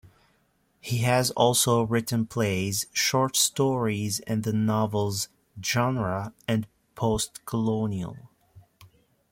He has also written plays, short stories and the novels "Genre" and "Post-colonial".